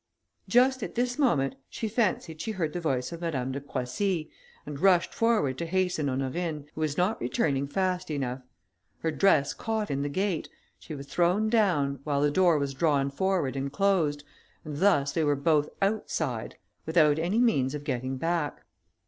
Just at this moment she fancied she heard the voice of Madame de Croissy, and rushed forward to hasten Honorine, who was not returning fast enough: her dress caught in the gate, she was thrown down, while the door was drawn forward and closed, and thus they were both outside, without any means of getting back.